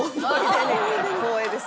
光栄です。